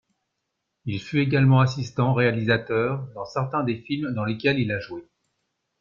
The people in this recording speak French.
Il fut également assistant-réalisateur dans certains des films dans lesquels il a joué.